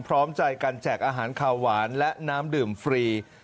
พร้อมใจกันแจกอาหารขาวหวานและน้ำดื่มฟรี